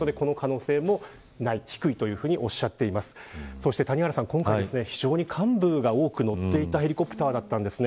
そして谷原さん今回非常に幹部が多く乗っていたヘリコプターだったんです。